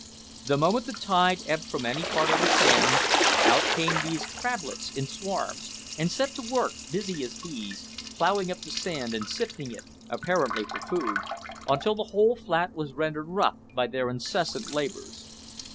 The moment the tide ebbed from any part of the sands, out came these crablets in swarms, and set to work, busy as bees, ploughing up the sand, and sifting it, apparently for food, until the whole flat was rendered rough by their incessant labours.